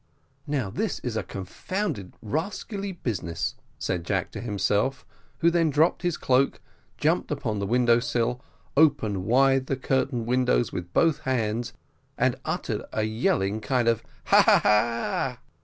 "Now this is a confounded rascally business," said Jack to himself; who then dropped his cloak, jumped upon the window sill, opened wide the window curtains with both hands, and uttered a yelling kind of "ha! ha! ha! ha!"